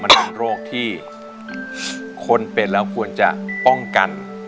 เป็นโรคที่คนเป็นเราควรจะป้องกัน